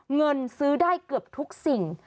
เงินซื้อได้เกือบทุกสิ่ง